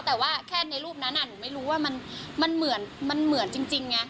แต่ว่าแค่ในรูปนั้นหนูไม่รู้ว่ามันเหมือนมันเหมือนจริงไง